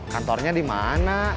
kantornya di mana